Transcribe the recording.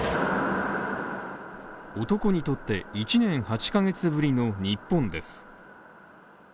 男にとって、１年８カ月ぶりの日本です。